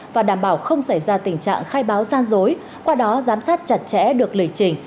và đảm bảo không xảy ra tình trạng khai báo gian dối qua đó giám sát chặt chẽ được lịch trình